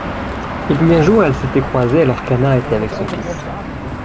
Et puis un jour elles s’étaient croisées alors qu’Anna était avec son fils